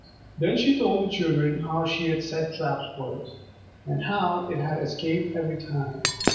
Then she told the children how she had set traps for it, and how it had escaped every time.